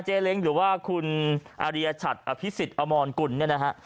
เจ๊เล้งหรือว่าคุณอารียชัดอภิสิทธิ์อมรกุลเนี้ยนะฮะ